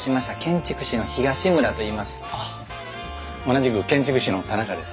同じく建築士の田中です。